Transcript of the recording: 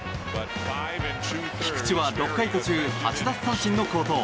菊池は６回途中８奪三振の好投。